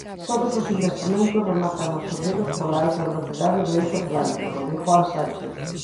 Todos os investimentos rematan absorbidos pola alta velocidade do Eixo Atlántico, di Juan Sánchez.